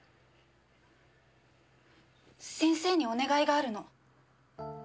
先生にお願いがあるの。